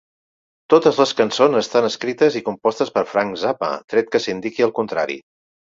Totes les cançons estan escrites i compostes per Frank Zappa, tret que s'indiqui el contrari.